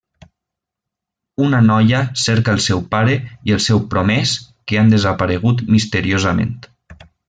Una noia cerca el seu pare i el seu promès que han desaparegut misteriosament.